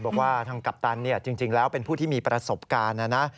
บอกว่าทางกัปตันจริงแล้วเป็นผู้ที่มีประสบการณ์นะนะ